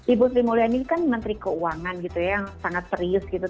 ibu sri mulyani kan menteri keuangan gitu ya yang sangat serius gitu